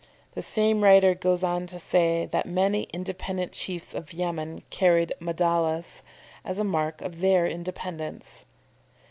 The same writer goes on to say that many independent chiefs of Yemen carried madallas as a mark of their independence.